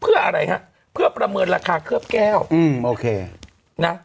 เพื่ออะไรฮะเพื่อประเมินราคาเคลือบแก้วอืมโอเคนะ